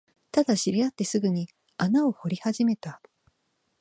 ただ、知り合ってすぐに穴を掘り始めた